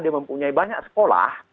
dia mempunyai banyak sekolah